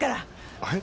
はい？